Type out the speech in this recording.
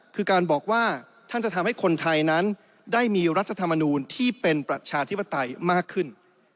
คือการบอกว่าท่านจะทำให้คนไทยนั้นได้มีรัฐธรรมนูลที่เป็นประชาธิปไตยมากขึ้น